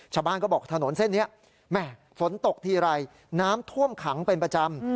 ชาวบ้านก็บอกถนนเส้นนี้แม่ฝนตกทีไรน้ำท่วมขังเป็นประจำ